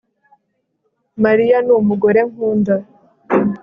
Mariya numugore nkunda